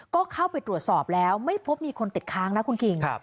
ก็เข้าไปตรวจสอบแล้วไม่พบมีคนติดค้างนะคุณคิง